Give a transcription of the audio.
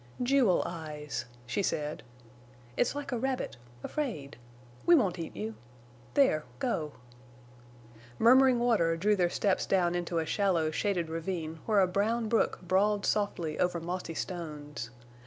"Jewel eyes," she said. "It's like a rabbit—afraid. We won't eat you. There—go." Murmuring water drew their steps down into a shallow shaded ravine where a brown brook brawled softly over mossy stones.